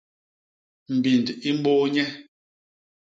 Mbind i mbôô nye.